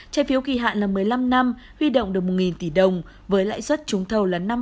trái phiếu kỳ hạn một mươi năm năm huy động được một tỷ đồng với lãi suất chúng thầu là năm ba trên một năm